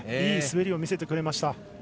いい滑りを見せてくれました。